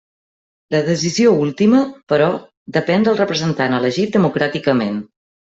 La decisió última, però, depén del representant elegit democràticament.